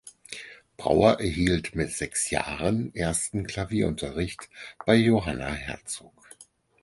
Brauer erhielt mit sechs Jahren ersten Klavierunterricht bei Johanna Herzog.